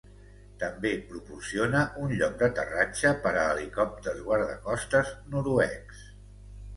També proporciona un lloc d'aterratge per a helicòpters guardacostes noruecs.